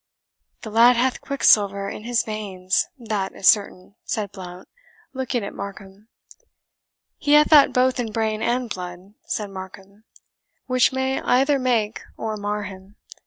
"The lad hath quicksilver in his veins, that is certain," said Blount, looking at Markham. "He hath that both in brain and blood," said Markham, "which may either make or mar him.